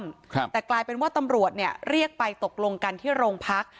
ครับแต่กลายเป็นว่าตำรวจเนี้ยเรียกไปตกลงกันที่โรงพัก